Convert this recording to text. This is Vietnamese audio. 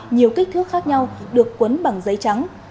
nhiều kích thước khác nhau được quấn bằng giấy trắng